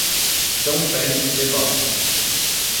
São Félix de Balsas